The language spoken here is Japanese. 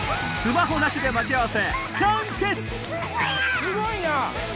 すごいな！